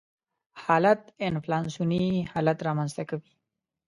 حالت انفلاسیوني حالت رامنځته کوي.